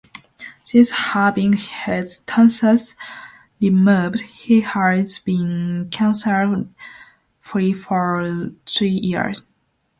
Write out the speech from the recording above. Since having his tonsils removed, he has been cancer-free for three years.